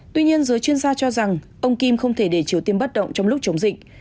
tuy nhiên giới chuyên gia cho rằng ông kim không thể để triều tiên bất động trong lúc chống dịch